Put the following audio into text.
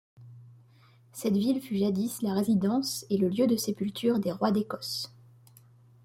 Cette ville fut jadis la résidence et le lieu de sépulture des rois d'Écosse.